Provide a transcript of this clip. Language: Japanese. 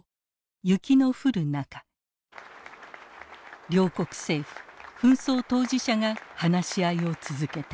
雪の降る中両国政府紛争当事者が話し合いを続けた。